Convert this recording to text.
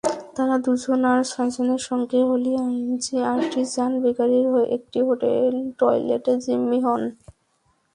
তাঁরা দুজন আরও ছয়জনের সঙ্গে হলি আর্টিজান বেকারির একটি টয়লেটে জিম্মি হন।